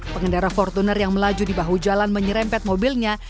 pengendara fortuner yang melaju di bahu jalan menyerempet mobilnya